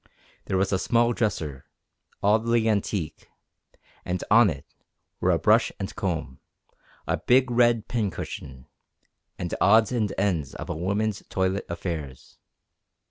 There was a small dresser, oddly antique, and on it were a brush and comb, a big red pin cushion, and odds and ends of a woman's toilet affairs.